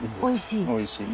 おいしい？